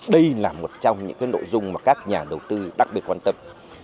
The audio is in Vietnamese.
đây là một trong những nội dung mà các nhà đầu tư đặc biệt quan tâm